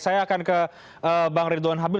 saya akan ke bang ridwan habib